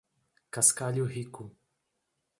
Cascalho Rico